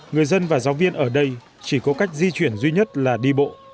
người dân và giáo viên ở đây chỉ có cách di chuyển duy nhất là đi bộ